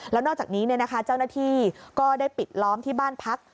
แล้วนอกจากนี้เจ้าหน้าที่ก็ได้ปิดล้อมที่บ้านพัก